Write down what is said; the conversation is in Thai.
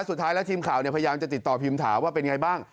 สุดท้ายแล้วทีมข่าวพยายามจะติดต่อพิมพ์ถามว่าเป็นไงบ้าง